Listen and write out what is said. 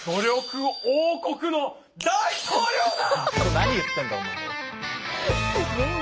何言ってんだお前は！